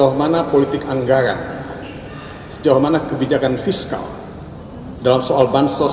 mudah mudahan mahkamah konstitusi melihat urgensi dari kehadiran menteri sosial yang kelihatannya tidak terlalu terlibat dalam penyaluran bansos